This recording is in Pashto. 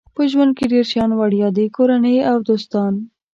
په ژوند کې ډېر شیان وړیا دي کورنۍ او دوستان.